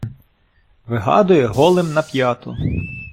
Вигадує голим на п'яту.